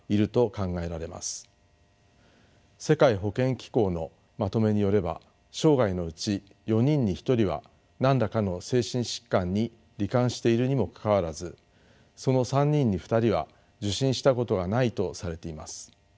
世界保健機構のまとめによれば生涯のうち４人に１人は何らかの精神疾患に罹患しているにもかかわらずその３人に２人は受診したことがないとされています。